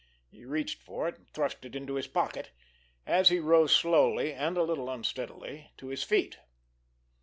He reached for it and thrust it into his pocket, as he rose slowly, and a little unsteadily, to his feet.